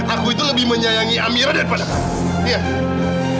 aku itu lebih menyayangi amira daripada kamu